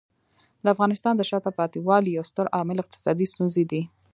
د افغانستان د شاته پاتې والي یو ستر عامل اقتصادي ستونزې دي.